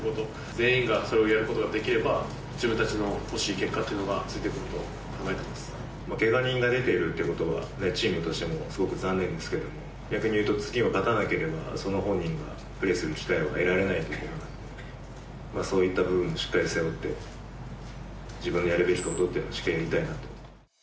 全員がそれをやることができれば、自分たちの欲しい結果というのがけが人が出ているってことは、チームとしてもすごく残念ですけども、逆にいうと、次は勝たなければ、その本人がプレーする機会を得られないので、そういった部分もしっかり背負って、自分のやるべきことっていうのをしっかりやりたいなと。